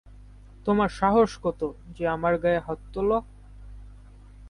তোমার সাহস কতো যে আমার গায়ে হাত তোলো!